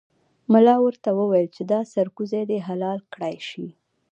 ملا ورته وویل چې دا سرکوزی دې حلال کړای شي.